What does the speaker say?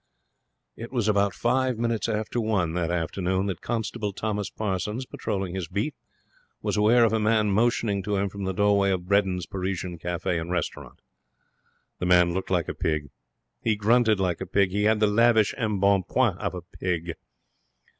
It was at about five minutes after one that afternoon that Constable Thomas Parsons, patrolling his beat, was aware of a man motioning to him from the doorway of Bredin's Parisian Cafe and Restaurant. The man looked like a pig. He grunted like a pig. He had the lavish embonpoint of a pig.